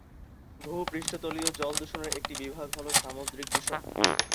ভূপৃষ্ঠতলীয় জল দূষণের একটি বিভাগ হল সামুদ্রিক দূষণ।